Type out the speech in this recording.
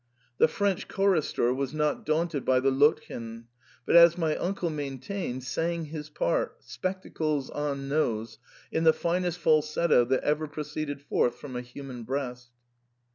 The French chorister was not daunted by the Lottchen^ but, as my uncle maintained, sang his part, spectacles on nose, in the finest falsetto that ever proceeded forth from a human breast.